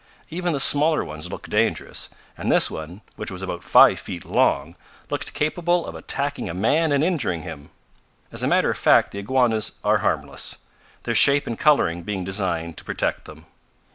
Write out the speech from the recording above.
Even the smaller ones look dangerous, and this one, which was about five feet long, looked capable of attacking a man and injuring him. As a matter of fact the iguanas are harmless, their shape and coloring being designed to protect them.